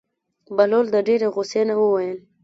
بهلول د ډېرې غوسې نه وویل.